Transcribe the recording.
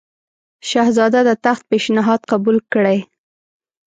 شهزاده د تخت پېشنهاد قبول کړي.